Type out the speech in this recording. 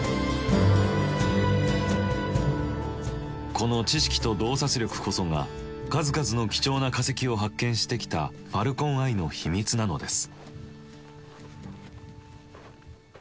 この知識と洞察力こそが数々の貴重な化石を発見してきたファルコン・アイの秘密なのです。